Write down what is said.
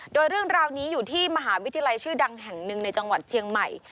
โดยเรื่องราวนี้อยู่ที่มหาวิทยาลัยชื่อดังแห่งหนึ่งในจังหวัดเชียงใหม่